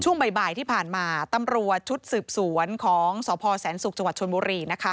ช่วงบ่ายบ่ายที่ผ่านมาตำรวจชุดสืบสวนของศพแสนสูขจวัตถ์ชวนบุรี